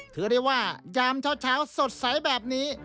ถือได้ว่ายามเช้าสดใสแบบนี้